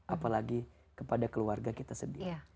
apalagi kepada keluarga kita sendiri